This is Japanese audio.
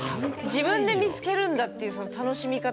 自分で見つけるんだっていうその楽しみ方。